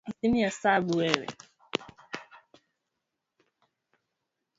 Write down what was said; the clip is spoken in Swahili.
barani Asia katika nchi ya Turkmenistan Wataalamu